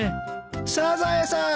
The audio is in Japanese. サザエさん